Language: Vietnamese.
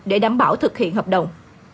để đảm bảo thực hiện hợp đồng